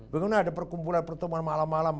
bagaimana ada perkumpulan pertemuan malam malam